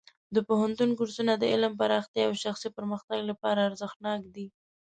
د پوهنتون کورسونه د علم پراختیا او شخصي پرمختګ لپاره ارزښتناک دي.